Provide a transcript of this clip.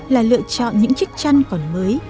là lựa chọn những chiếc chăn còn mới